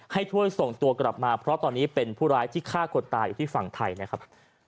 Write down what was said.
ให้ช่วยส่งตัวกลับมาเพราะตอนนี้เป็นผู้ร้ายที่ฆ่าคนตายอยู่ที่ฝั่งไทยนะครับ